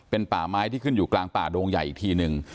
เป็นป่าไม้ที่ขึ้นอยู่กลางป่าดงใหญ่อีกทีหนึ่ง